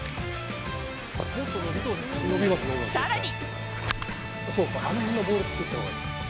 さらに。